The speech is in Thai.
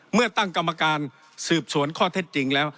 เมื่อตั้งกรรมการสืบสวนข้อเท็จจริงแล้ว